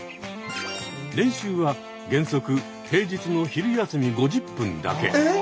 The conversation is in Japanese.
練習は原則平日の昼休み５０分だけ。